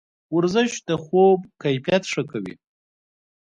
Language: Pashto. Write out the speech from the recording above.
ورزش د خوب کیفیت ښه کوي.